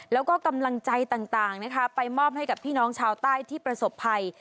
แล้วก็กำลังใจต่างนะคะไปมอบให้กับพี่น้องชาวใต้ที่ประสบภัย